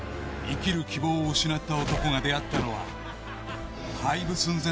生きる希望を失った男が出会ったのは